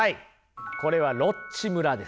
これはロッチ村です。